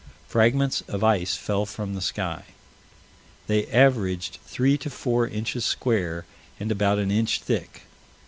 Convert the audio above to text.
Fragments of ice fell from the sky. They averaged three to four inches square, and about an inch thick.